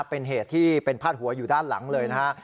เป็นเหตุที่เป็นพาดหัวอยู่ด้านหลังเลยนะฮะ